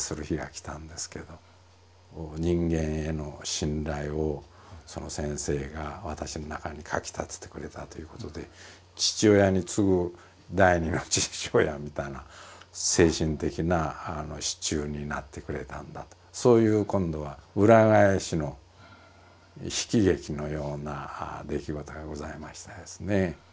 人間への信頼をその先生が私の中にかき立ててくれたということで父親に次ぐ第２の父親みたいな精神的な支柱になってくれたんだとそういう今度は裏返しの悲喜劇のような出来事がございましたですね。